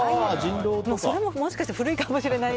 それも、もしかして古いかもしれない。